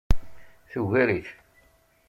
Tugar-it.